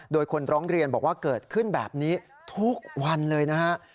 โดยคนร้องเรียนบอกว่าเกิดขึ้นแบบนี้ทุกวันเลยนะฮะ